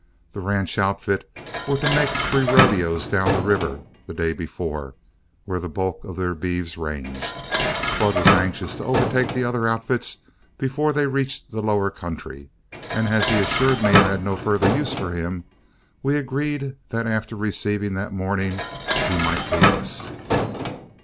The ranch outfit were to make three rodeos down the river the day before, where the bulk of their beeves ranged. Flood was anxious to overtake the other outfits before they reached the lower country, and as he assured me I had no further use for him, we agreed that after receiving that morning he might leave us.